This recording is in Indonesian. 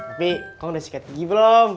tapi kamu udah sikat gigi belum